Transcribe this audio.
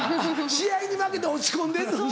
試合に負けて落ち込んでんのに？